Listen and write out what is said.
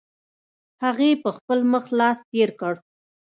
هغې په خپل مخ لاس تېر کړ.